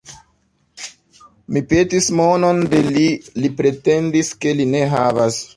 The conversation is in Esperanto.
Mi petis monon de li; li pretendis, ke li ne havas.